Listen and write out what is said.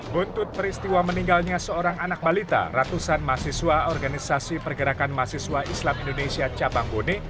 buntut peristiwa meninggalnya seorang anak balita ratusan mahasiswa organisasi pergerakan mahasiswa islam indonesia cabang bone